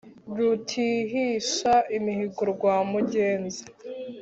Rutihisha imihigo rwa Mugenza,